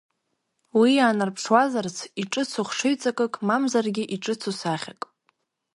Уи иаанарԥшуазарц иҿыцу хшыҩҵакык, мамзаргьы иҿыцу сахьак…